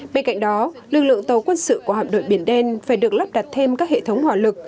bên cạnh đó lực lượng tàu quân sự của hạm đội biển đen phải được lắp đặt thêm các hệ thống hỏa lực